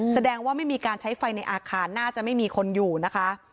แสดงว่าไม่มีการใช้ไฟในอาคารน่าจะไม่มีคนอยู่นะคะ